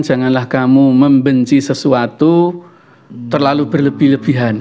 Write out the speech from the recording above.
bagaimana kamu membenci sesuatu terlalu berlebihan